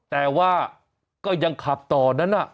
แต่ว่าก็ยังขับต่อนั้น